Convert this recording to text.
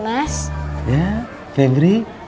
mas suha perhatikan